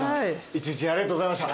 一日ありがとうございました。